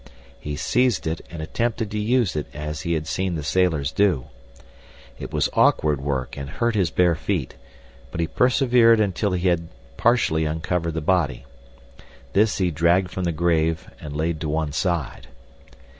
He seized it and attempted to use it as he had seen the sailors do. It was awkward work and hurt his bare feet, but he persevered until he had partially uncovered the body. This he dragged from the grave and laid to one side.